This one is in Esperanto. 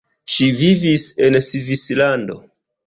Ŝi vivis en Svislando.